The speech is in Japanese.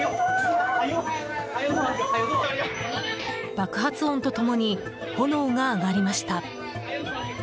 爆発音と共に炎が上がりました。